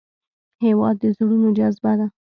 هېواد د زړونو جذبه ده.